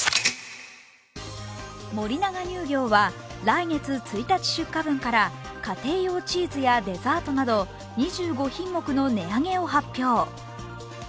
森永乳業は、来月１日出荷分から家庭用チーズやデザートなど２５品目の値上げを発表。